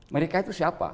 mereka itu siapa